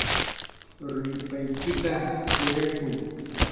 ruripaykita hirakuy.